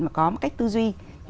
mà có một cách tư duy phản biện